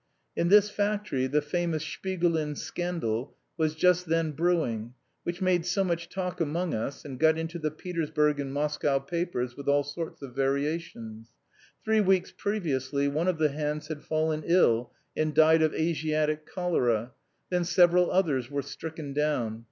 In this factory the famous "Shpigulin scandal" was just then brewing, which made so much talk among us and got into the Petersburg and Moscow papers with all sorts of variations. Three weeks previously one of the hands had fallen ill and died of Asiatic cholera; then several others were stricken down.